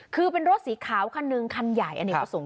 คือเป็นรถสีขาวคันหนึ่งคันใหญ่อเนกประสงค์